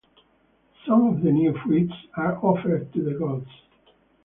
Some of the new fruits are offered to the gods.